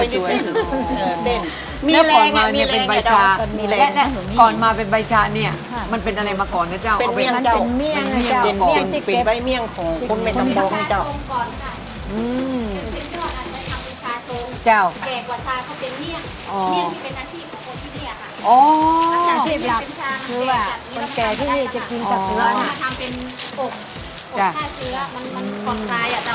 ที่กูเลยทำเป็นอบอบผ้าเชื้อมันมันกรอบร้ายอะเจ้า